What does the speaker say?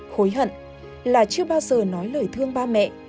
hối hận là chưa bao giờ nói lời thương ba mẹ